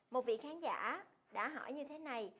một vị khán giả đã hỏi như thế này